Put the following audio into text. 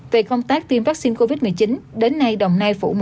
về công tác tiêm vaccine covid một mươi chín đến nay đồng nai